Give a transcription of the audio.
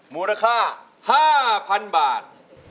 มูลค่า๕๐๐๐บาท